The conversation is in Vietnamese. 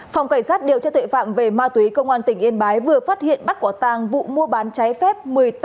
phòng cảnh sát điều tra tuệ phạm về ma túy công an tỉnh yên bái vừa phát hiện bắt quả tàng vụ mua bán trái phép